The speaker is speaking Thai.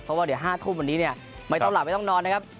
เพราะว่าเดี๋ยว๕ทุ่มวันนี้เนี่ยไม่ต้องหลับไม่ต้องนอนนะครับ